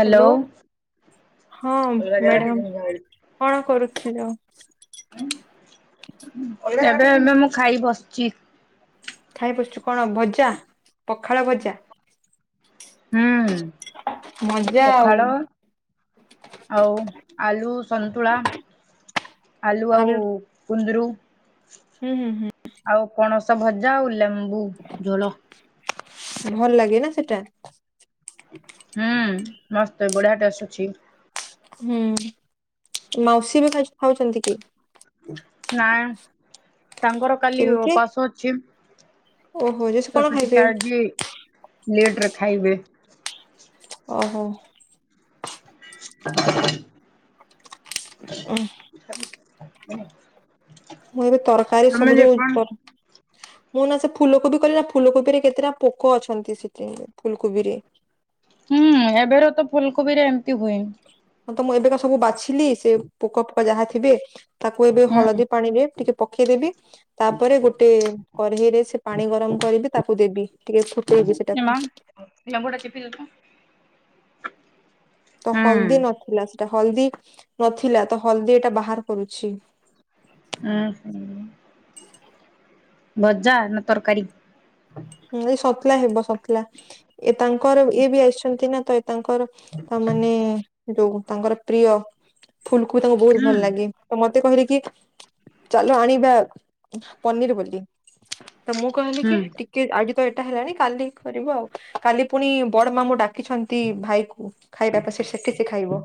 Hello. ହଁ ଏବେ madam କଣ କରୁଥିଲ। ଏବେ ଏବେ ମୁଁ ଖାଇ ବସିଚି। ଖାଇ ବସିଚୁ କଣ ଭଜା ପଖାଳ ଭଜା। ହୁଁ ମଜା ଆଉ ପଖାଳ ଆଉ ଆଲୁ ସନ୍ତୁଳା ଆଲୁ ଆଉ ଆଳୁ କୁନ୍ଦୁରୁ ହୁଁ ହୁଁ ହୁଁ ହୁଁ। ଆଉ ପଣସ ଭଜା ଆଉ ଲେମ୍ବୁ ଝୋଳ। ଭଲ ଲାଗେ ନା ସେଟା। ହୁଁ ମସ୍ତ ଏ ବଢିଆ ଟେଷ୍ଟେ ଅଛି। ହୁଁ ମାଉସୀ ବି ଖା ଖାଉଚନ୍ତି କି। ନାଁ। ତାଙ୍କର କାଲି ଓ କେମିତି ପାସ ଅଛି ଓହୋ ଯେ ସେ କଣ ତେଣୁ ଖାଇବେ ଟିକେ ଆଜି ଲେଟ୍ ରେ ଖାଇବେ। ଓହୋ। [inaudible] ଉଁ। [inaudible] ମୁଁ ଏବେ ତରକାରୀ ତମେ ସବୁ ଯେ ଯୋଉ କଣ [unintelligible] ମୁଁ ନା ସେ ଫୁଲକୋବି କରିନା ଫୁଲକୋବିରେ କେତେଟା ପୋକ ଅଛନ୍ତି ସେଥି ଫୁଲକୋବିରେ। ହୁଁ ଏବେର ତ ଫୁଲକୋବିରେ ଏମିତି ହୁଏ! ହଁ ତ ମୁଁ ଏବେକା ସବୁ ବାଛିିଲି ସେ ପୋକ ଫୋକ ଯାହା ଥିବେ ତାକୁ ଏବେ ହୁଁ ହଳଦୀ ପାଣି ରେ ଟିକେ ପକେଇଦେବି ତାପରେ ଗୋଟେ କରେହିରେ ସେ ପାଣି ଗରମ କରିବି ତାକୁ ଦେବି ଟିକେ ଫୁଟେଇବି ଏ ମା ସେଟାକୁ। ଲେମ୍ବୁ ଟା ଚିପିଦେଲୁ। ତ ହୁଁ ହଳଦୀ ନଥିଲା ସେଟା ହଳଦୀ ନଥିଲା ତ ହଳଦୀ ଏଇଟା ବାହାର କରୁଛି। ହଁ ଭଜା ନା ତରକାରୀ। ହଁ ସନ୍ତୁଳା ହେବ ସନ୍ତୁଳା ଇଏ ତାଙ୍କର ଇଏ ବି ଆସିଚନ୍ତିନା ତ ତାଙ୍କର ତା ମାନେ ଯୋଉ ତାଙ୍କର ପ୍ରିୟ। ଫୁଲକୋ ତାଙ୍କୁ ବୋହୁତ୍ ହୁଁ ଭଲ୍ ଲାଗେ। ତ ମତେ କହିଲେ କି ଚାଲ ଆଣିବା ପନିର୍ ବୋଲି। ତ ମୁଁ କହିଲି ହୁଁ କି ଟି କି ଆଜି ତ ଏଟା ହେଲାଣି କାଲି କରିବ ଆଉ କାଲି ପୁଣି ବଡ ମାମୁଁ ଡ଼ାକିଛ ନ୍ତି ଭାଇକୁ ଖାଇବା ଟା ସେ ସେଠି ସେ ଖାଇବ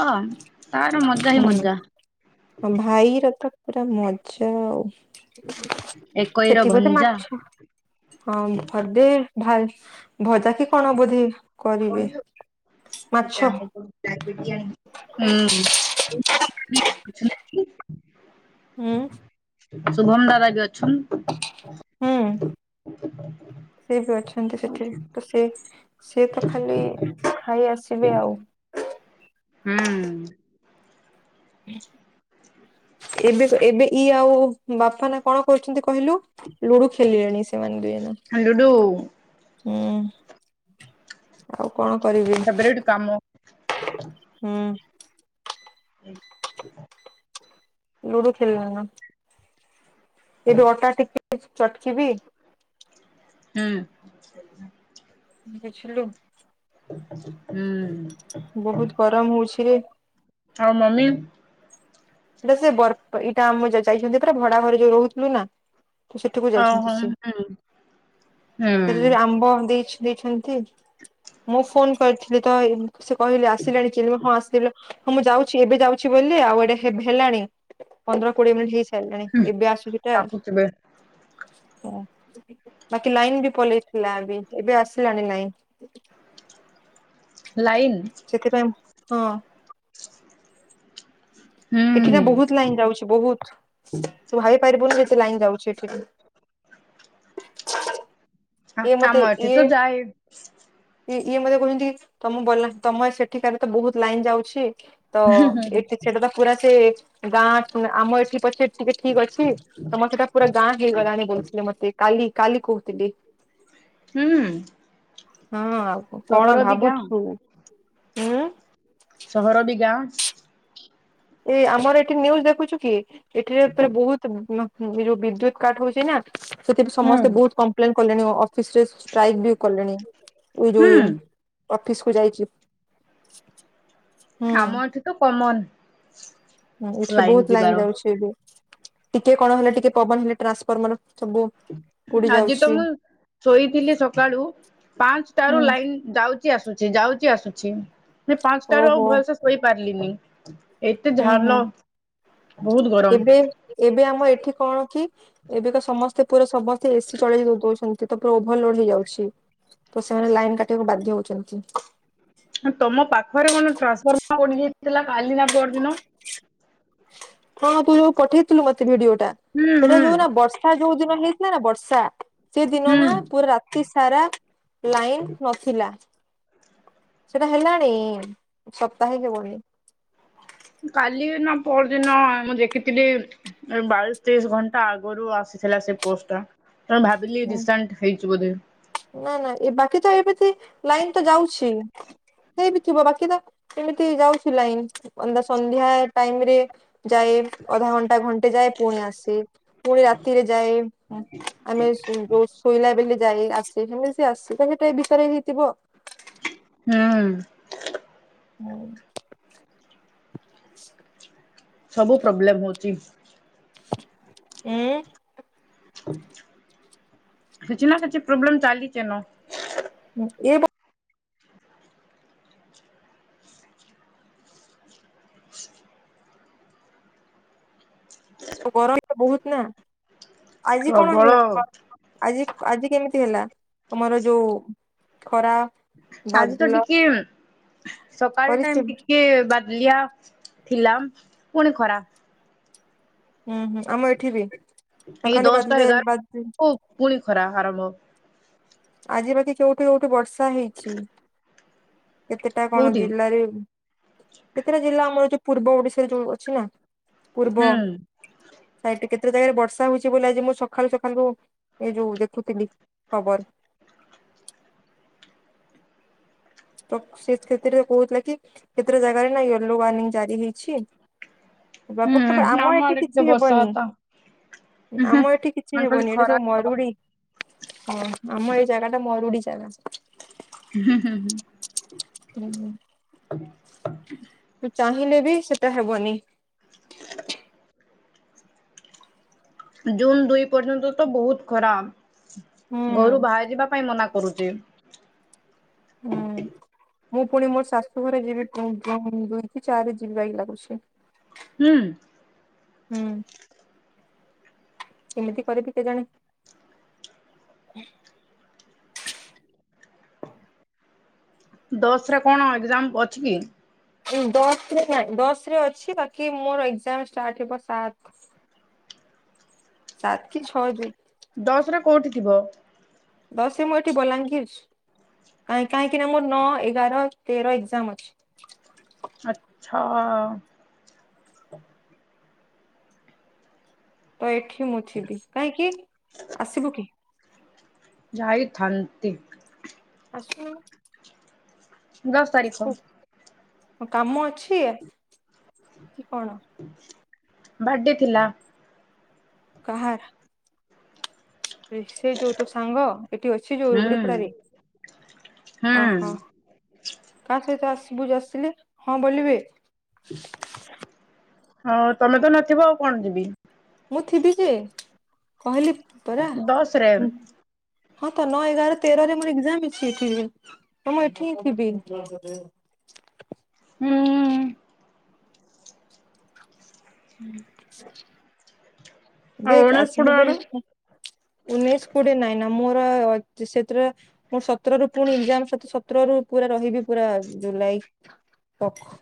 ହଁ ତାର ମଜା ହଁ ହୁଁ। ମଜା। ହଁ ଭାଇର ତ ପୁରା ମଜା ଆଉ ଏକଇର ସେଠି ବୋଧେ ଭଞ୍ଜା। ମାଛ ହଁ ବୋଧେ ଭା ଭଜାକି କଣ ବୋଧେ କରିବେ ମାଛ ଟିକେ ଆମ୍ବୁଲ ମାଗିକି ଆଣିବି ହୁଁ ହୁଁ ଶୁଭମ ଦାଦା ବି ଅଛନ୍ ହୁଁ ସେ ବି ଅଛନ୍ତି ସେଠି ତ ସେ ସିଏ ତ ଖାଲି ଖାଇ ଆସିବେ ଆଉ ହୁଁ ହୁଁ ଏବେ ଏବେ ଇଏ ଆଉ ବାପା ନା କଣ କରିଛନ୍ତି କହିଲୁ ଲୁଡୁ ଖେଳିଲେଣି ସେ ସେମାନେ ଦୁଇଜଣ ଡୁଡୁ ହୁଁ ଆଉ କଣ କରିବି ଫେବରେଟ କାମ ହୁଁ ହଁ ଲୁଡୁ ଖେଳିଲେଣି ନା ସେଇଠି ଅଟା ଟିକେ ଚଟକିବି ହୁଁ ବୁଝିଲୁ ହୁଁ ବହୁତ ଗରମ ହଉଛି ରେ ଆଉ ମମି ଏଇଟା ସେ ବର ଏଇଟା ଆମ ଯାଇଛନ୍ତି ପୁରା ଭଡା ଘରେ ଯୋଉ ରହୁଥିଲୁ ନା ତ ସେଠିକୁ ଆଉ ଯାଇଛନ୍ତି ହଁ ସିଏ ହୁଁ ହୁଁ ତତେ ଯି ଆମ୍ବ ଦେଇ ଦେଇଛ ନ୍ତୀ ମୁଁ ଫୋନ କରିଥିଲି ତ ସେ କହିଲେ ଆସିଲେଣି ଚିଲୁ ହଁ ଆସିଲେ ହଁ ମୁଁ ଯାଉଛି ଏବେ ଯାଉଛି ବୋଲି ଆଉ ଏଇଟା ହେଲାଣି ପନ୍ଦର କୋଡିଏ ମିନିଟ୍ ହେଇ ହେଲାଣି ଏବେ ଆସୁଛି ଟା ଡାକୁଥିବେ ହଁ ବାକି ଲାଇନ ବି ପଳେଇଥିଲା ବି ଏବେ ଆସିଲାଣି ନାଇଁ ଲାଇନ୍ ସେଥିପାଇଁ ହଁ ଏଠି ନା ହୁଁ ବହୁତ ଲାଇନ୍ ଯାଉଛି ବହୁତ ତୁ ଭାବି ପାରିବୁନି ଯେତେ ଲାଇନ୍ ଯାଉଛି ଏଠି ହ ହଁ ଆମ ଏଠି ତ ଯାଏ ଇ ଇଏ ମତେ କହୁଛନ୍ତି ତମ ବଲା ତମେ ସେଠିକାରେ ତ ବହୁତ ଲାଇନ୍ ଯାଉଛି ତ ଏଠି ସେଟା ତ ପୁରା ସେ ଗାଁ ଆମ ଏଠି ପଛେ ଟିକେ ଠିକ ଅଛି ତମର ସେଟା ପୁରା ଗାଁ ହେଇଗଲାଣି କହୁଥିଲେ ମତେ କାଲି କାଲି କହୁଥିଲେ ହୁଁ ହଁ ଆଉ କଣ ସହର ବି ଗାଁ ଭାବୁଛୁ ହୁଁ ସହର ବି ଗାଁ ଏ ଆମର ଏଠି ନିଉଜ ଦେଖୁଛୁ କି ଏଠି ପୁରା ବହୁତ ଯୋଉ ବିଦ୍ୟୁତ କାଟ ହଉଛି ନା ସେଥିପାଇଁ ହୁଁ ସମସ୍ତେ ବହୁତ କମ୍ପ୍ଲେନ କଲେଣି ଅ ଇ ସେର୍ଷେ ଷ୍ଟାଇକ୍ ବି କଲେଣି! ଇରେ ହୁଁ ଅଫିସ କୁ ଯାଇଚି! ଆମ ଏଠିତ କମନ! ହଁ ଏଠି ଲାଇନ ବହୁତ ଲାଇନ୍ ଯିବାର ଯାଉଛି ଏବେ, ଟିକେ କଣ ହେଲେ ଟିକେ ପବନ ହେଲେ ଟ୍ରାନ୍ସଫର୍ମର ସବୁ ପୋଡି ଆଜି ତ ଯାଉଛି। ମୁଁ ଶୋଇଥିଲି ସକାଳୁ ପାଞ୍ଚ ହୁଁ ଟାରୁ ଲାଇନ ଯାଉଚି ଆସୁଛି ଯାଉଚି ଆସୁଛି, ମୁଇଁ ପାଞ୍ଚ ଟାରୁ ଆଉ ଓହୋ ଭଲସେ ଶୋଇପାରିଲିନି! ଏତେ ହୁଁ ହୁଁ ଝାନ! ଏବେ ଏବେ ଆମ ଏଠି କଣକି ଏବେ ତ ସମସ୍ତ ଏପୁରେ ସମସ୍ତେ ଏସିି ଚଳେଇ ଦ ଦଉଚନ୍ତି! ସିଏତ ପ୍ରୋ ଓଭରଲୋଡ ହେଇଯାଉଛି, ତ ସେମାନେ ଲାଇନ କାଟିବାକୁ ବାଧ୍ୟ ହଉଚନ୍ତି! ତମ ପାଖରେ କଣ ଟ୍ରାନ୍ସଫର୍ମ ପୋଡି ଯାଇଥିଲା କାଲି ନା ପରଦିନ! ହଁ ତୁ ଯୋଉ ପଠେଇଥିଲୁ ମତେ ଭିଡିଓଟା, ହୁଁ ସେଇଟା ହୁଁ ଯୋଉରା ବର୍ଷ ତାଯୋଉ ଦିନ ହେଇଥିଲାନା ବର୍ଷା ସେ ହୁଁ ଦିନନା ପୁରା ରାତି ସାରା ଲାଇନ୍ ନଥିଲା। କେତେଟା ହେଲାଣି ସପ୍ତାହେ ଯିବନି! କାଲି ନା ପରଦିନ ମୁଁ ଦେଖିଥିଲି! ଏ ବାଇଶି ତେଇଶୀ ଘଣ୍ଟା ଆଗରୁ ଆସିଥିଲା ସେ ପୋଷ୍ଟଟା! ହଁ ଭାବିଲି ଦିଶାଣ୍ଟ ହେଇଚି ବୋଧେ! ନା ନା ଏବାକି ତ ଏମିତି ଲାଇନ ତ ଯାଉଚି! ହେଇ ବିି ଥିବ ବାକି ତ ଏମିତି ଯାଉଛି ଲାଇନ! ଅନ୍ଧ୍ୟା ସନ୍ଧ୍ୟା ଟାଇମ ରେ ଯାଏ ଅଧା ଘଣ୍ଟା ଘଣ୍ଟେ ଯାଏ ପୁଣି ଆସେ! ପୁଣି ରାତିରେ ଯାଏ, ଉଁ ଆମେ ଯୋଉ ଶୋଇଲା ବେଲେ ଯାଏ ଆସେ ସେମିତି ଆସଵା ତ ସେଟା ବିଷରେ ହେଇଥିବ! ହୁଁଉଁ! ଉଁ! ସବୁ ପ୍ରୋବ୍ଲେମ ହଉଚି! ଉଁ! କିଚି ନା କିଛି ପ୍ରୋବ୍ଲେମ ଚାଲିଚି, ଏନ ଉଁ ଏବୋ ଗରମ ତ ବହୁତନା, ଆଜି କଣ ପ୍ରବଳ ହେଲା! ଫ ଆଜିକ ଆଜି କେମିତି ହେଲା ତମର ଯୋଉ ଖରା! ଆଜି ତ ବାଦଲ ଟିକେ ସକାଳ କରିଛି ଟାଇମ ଟିକେ ବା ତିଲିଆ ଥିଲା ପୁଣି ଖରା! ହୁଁ ହୁଁ ଆମ ଏଠିବି, ତ ଏଇ ଖାଲି ବାଧି ଦଶଟା ଦ ବାଦ ଏଗାର ପୁଣି ଖରା ଆରମ୍ଭ! ଆଜି ବାକି କେଉଁଠି କୋଉଠି ବର୍ଷା ହେଇଚି! କେତେଟା କଣ କୋଉଠି ଜିଲ୍ଲାରେ କେତେଟା ଜିଲ୍ଲା ଆମର ଯୋଉ ପୂର୍ବ ଓଡିଶାରେ ଯୋଉ ଅଛିନା! ପୂର୍ବ ହୁଁ ସାଇଟି କେତେ ଟା ଜାଗାରେ ବର୍ଷା ହଉଚି ବୋଲି ଆଜି ମୁଁ ସକାଳୁ ସକାଳୁ ଏ ଯୋଉ ଦେଖୁଥିଲି ଖବର! ତ ସେତ କେତେଟା କହୁଥିଲା କି? କେତଟା ଜାଗାରେ ନା ୟେଲୋ ୱାର୍ନିଂ ଜାରି ହେଇଛି! ହୁଁ ଵାପ କେବେ ଆମ ଏଠି ଆଡେ ଟିକେ କିଚି ବର୍ଷା ହେବନି! ହତା ଆମ ଏଠି କିଚି ମାନେ ଖାଲି ହେବନି, ଏଠା ଖରା ସବୁ ମରୁଡି ଅ ଆମ ଏଇ ଜାଗାଟା ମରୁଡି ଜାଗା! ହୁଁ ହୁଁ ହୁଁ! [inaudible] ତୁ ଚାହିଁଲେ ବି ସେଟା ହେବନି। [inaudible] ଜୁନ ଦୁଇ ପର୍ଯ୍ୟନ୍ତ ତ ବହୁତ ଖରା ହୁଁ ଘରୁ ବାହାରି ଯିବା ପାଇଁ ମନା କରୁଛି। ହୁଁ ମୁଁ ପୁଣି ମୋର ଶାଶୁ ଘରେ ଯିବି ଦୁଇ ଚାରି ଯିବି [unintelligible] ଲାଗୁଛି। ହୁଁ। ହୁଁ କେମିତି କରିବି କେଜାଣି। ଦଶରେ କଣ ଏକଜାମ ଅଛି କି? ହୁଁ ଦଶ ରେ ନାଇଁ ଦଶରେ ଅଛି ବାକି ମୋର ଏକଜାମ ଷ୍ଟାର୍ଟ ହେବ ସାତ ସାତ କି ଛଅ ଦୁଇ ଦଶରେ କୋଉଠି ଥିବ। ଦଶରେ ମୁଁ ଏଠି ବଲାଙ୍ଗୀର ଅଛି କ କାହିଁକିନା ମୋର ନଅ ଏଗାର ତେର ଏକଜାମ ଅଛି। ଆଚ୍ଛା। ତ ଏଠି ମୁଁ ଯିବି କାହିଁକି ଆସିବୁ କି? ଯାଇଥାନ୍ତି। ଆସୁନୁ। ଦଶ ତାରିଖ। କୋଉ କାମ ଅଛି କି କଣ? ବାଡ଼େ ଥିଲା। କହାର? ସେ ଯୋଉ ତୋ ସାଙ୍ଗ ଏଠି ଅଛି ଯୋଉ ହୁଁ ଗୁଡିପଡାରେ ହୁଁ ଓହୋ କାହା ସହିତ ଆସିବୁ ଆସିଲି ହଁ ବୋଲିବେ ହଁ ତମେ ତ ନଥିବ ଆଉ କଣ ଯିବି ମୁଁ ଥିବି ଯେ କହିଲି ପରା ଦଶରେ ମୁଁ ହଁ ତ ନଅ ଏଗାର ତେରରେ ମୋର ଏକଜାମ ଅଛି ଏଠି ହଁ ମୁଁ ଏଠି ହିଁ ଥିବି ହୁଁ। ଆଉ ଦେଖ ଅଣେଶପଟ ଆସିଲୁ ବୋଲି ଆଡୁ ସିନା। ଉନେଇେଶ କୋଡ଼ିଏ ନାଇଁ ନା ମୋର ସେଥିରେ ମୁଁ ସତର ରୁ ପୁଣି ଏକଜାମ ସତ ସତର ରୁ ପୁରାରହିବି ପୁରା ଜୁଲାଇ ପାକ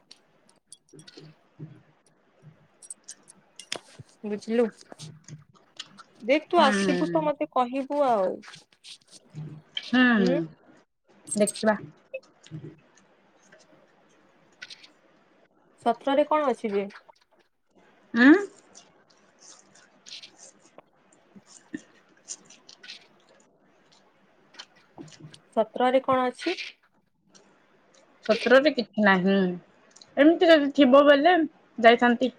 ହ [unintelligible] ବୁଝିଲୁ ଦେଖ ତୁ ହୁଁ ଆସିବୁ ତ ମତେ କହିବୁ ଆଉ ହୁଁ ଦେଖିବା। ସତରେ କଣ ଅଛିିବେ ଆଃ ପତ୍ରରେ କଣ ଅଛି? ସତ୍ରରେ କି ନାହିଁ ଏମିତି ଯଦି ଥିବ ବୋଇଲେ ଯାଇଥାନ୍ତି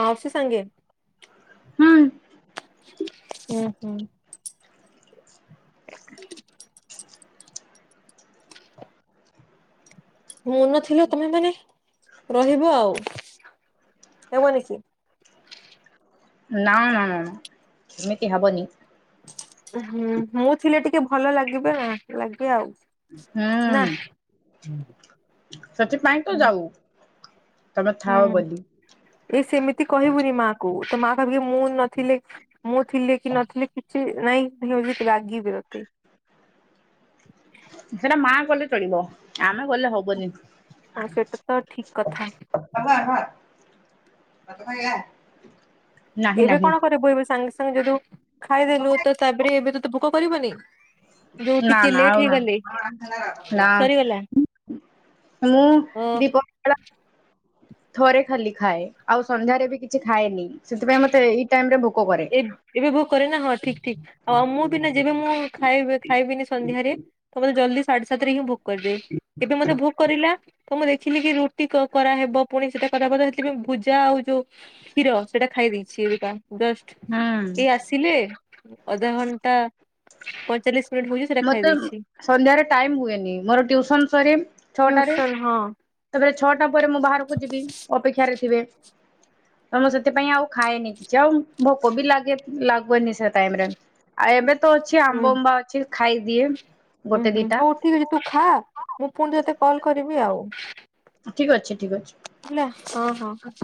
ମାଉସୀ ସାଙ୍ଗେ ହୁଁ। ହୁଁ ହୁଁ। ମୁଁ ନଥିଲେ ତମେ ମାନେ ରହିବ ହେବନି କି? ନା ନା ନା ସେମିତି ହବନି। ହୁଁ ମୁଁ ଥିଲେ ଟିକେ ଭଲ ଲାଗିବେ ଲାଗେ ଆଉ ନା। ହୁଁ ହୁଁ [unintelligible] ସେଥିପାଇଁ ତ ଯାଉ ତମେ ହୁଁ ଥାଅ ବୋଲି ଏ ସେମିତି କହିବୁନି ମା କୁ ତୋ ମା ଭାବିବେ ମୁଁ ନଥିଲେ ମୁଁ ଥିଲେ କି ନଥିଲେକିଛି ନାଇଁ ଏମିତି ରାଗିବେ ତୋତେ ସେଟା ମା ଗଲେ ଚଳିବ ଆମେ ଗଲେ ହବନି। ହଁ ସେଇଟା ତ ଠିକ କଥା [unintelligible] ନାହିଁ ଏବେ ନାହିଁ କଣ କରିବୁ ଏବେ ସାଙ୍ଗେ ସାଙ୍ଗେ ଯଦି ଖାଇଦେଲୁ ତ ତାପରେ ଏବେ ତତେ ଭୋକ କରିବନି। ଯୋଉ ନା ଟିକେ ନା ଲେଟ୍ ଆଉ ହେଇଗଲେ ନା। ସରିଗଲା ହାଲୋ ଅ ଦୀପ ଥରେ ଖାଲି ଖାଏ ଆଉ ସନ୍ଧ୍ୟାରେ ବି କିଛି ଖାଏନି ସେଥିପାଇଁ ମତେ ଏଇ ଟାଇମ ରେ ଭୋକ କରେ। ଏ ଏବେ ଭୋକରେ ନା ହଁ ଠିକ ଠିକ। ଆ ମୁଁ ବି ନା ଯିବି ମୁଁ ଖାଇବି ଖାଇବିନି ସନ୍ଧ୍ୟାରେ [unintelligible] ଜଲଦି ସାଢେ ସାତେ ରେ ହିଁ ଭୋକ କରିଦିଏ ଏବେ ମତେ ଭୋକ କରିଲା ତ ମୁଁ ଖିଲିକି ରୁଟି କ କରାହେବ ପୁଣି ସେଟା କରାହବ ସେଥିପାଇଁ ଭୁଜା ଆଉ ଯୋଉ କ୍ଷୀର ସେଇଟା ଖାଇ ଦେ ସିଳିପା ଡଷ୍ଟ ହୁଁ। ପିଲେ ଅଧା ଘଣ୍ଟା ପଚାରିଲେ ମତେ ସନ୍ଧ୍ୟାରେ ଟାଇମ ହୁଏନି ମୋର ଟ୍ୟୁସନ ସରି ଟିଉସନ ହଁ। ଛଅଟା ପରେ ମୁଁ ବାହାରକୁ ଯିବି ଅପେକ୍ଷାରେ ଥିବେ ତ ମୁଁ ସେଥିପାଇଁ ଆଉ ଖାଏନି କିଛି ଆଉ ଭୋକ ବି ଲାଗେନି ସେ ଟାଇମରେ। ଆ ଏବେ ତ ଅଛି ଆମ୍ବ ଉମ୍ବା ଅଛି ଖାଇଦିଏ ଉୁଁ ଗୋଟେ ହୁଁ ଦିଟା ହଉ ଠିକ ଅଛି ତୁ ଖା। ମୁଁ ପୁଣି ତତେ କଲ୍ କରିବି ଆଉ। ଠିକ ଅଛି ଠିକ ଅଛି। ହେଲା ହଁ ହଁ।